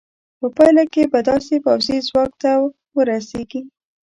په پایله کې به داسې پوځي ځواک ته ورسېږې.